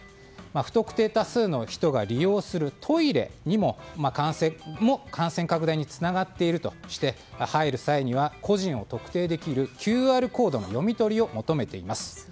不特定多数の人が利用するトイレも感染拡大につながっているとして入る際には、個人を特定できるＱＲコードの読み取りを求めています。